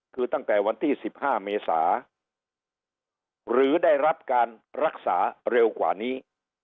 คือตั้งแต่วันที่๑๕เมษาหรือได้รับการรักษาเร็วกว่านี้